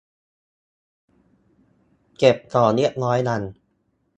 เก็บของเรียบร้อยยัง